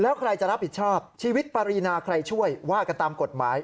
แล้วใครจะรับผิดชอบชีวิตปรินาใครช่วยว่ากันตามกฎหมาย